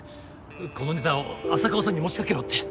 このネタを浅川さんに持ちかけろって。